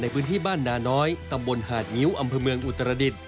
พื้นที่บ้านนาน้อยตำบลหาดงิ้วอำเภอเมืองอุตรดิษฐ